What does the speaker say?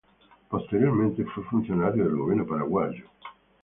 Posteriormente fue funcionario del gobierno paraguayo.